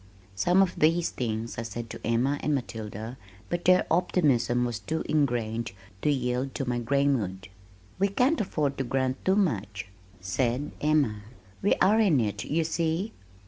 Some of these things I said to Emma and Matilda but their optimism was too ingrained to yield to my gray mood. "We can't afford to grant too much," said Emma. "We are in it, you see."